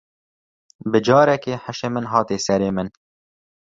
Bi carekê hişê min hate serê min.